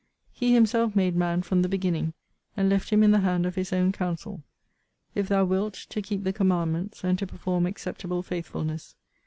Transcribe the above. He himself made man from the beginning, and left him in the hand of his own counsel; If thou wilt, to keep the commandments, and to perform acceptable faithfulness.